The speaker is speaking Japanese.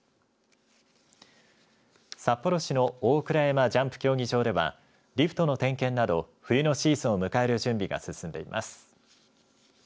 札幌市の大倉山ジャンプ競技場ではリフトの点検など冬のシーズンを迎える準備が進んでいます。